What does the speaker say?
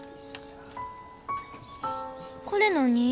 これ何？